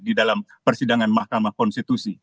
di dalam persidangan mahkamah konstitusi